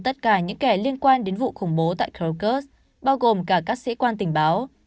tất cả những kẻ liên quan đến vụ khủng bố tại krokus bao gồm cả các sĩ quan tình báo